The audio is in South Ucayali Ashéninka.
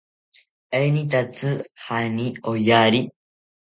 ¿Enitatzi jaani oyari?